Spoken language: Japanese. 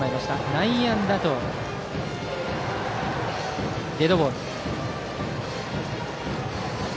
内野安打とデッドボール。